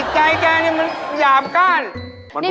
ใช่